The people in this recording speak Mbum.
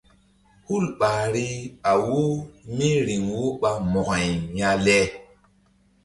Hul ɓahri a wo mí riŋ wo ɓa Mo̧ko-ay ya le.